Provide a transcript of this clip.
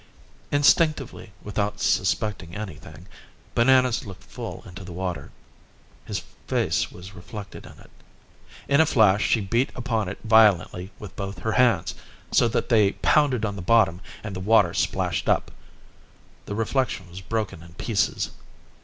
Instinctively, without suspecting anything, Bananas looked full into the water. His face was reflected in it. In a flash she beat upon it violently, with both her hands, so that they pounded on the bottom and the water splashed up. The reflection was broken in pieces.